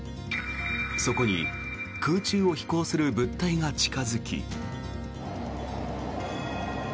そこに空中を飛行する物体が近付き。